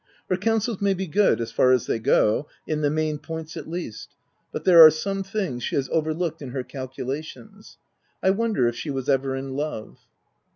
Her counsels may be good, as far as they go — in the main points, at least ;— but there are some things she has overlooked in her calculations. I wonder if she was ever in love.